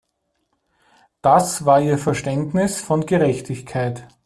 Das war ihr Verständnis von Gerechtigkeit.